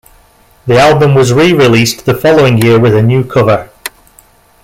The album was re-released the following year with a new cover.